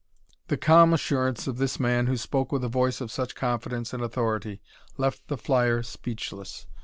The calm assurance of this man who spoke with a voice of such confidence and authority left the flyer speechless.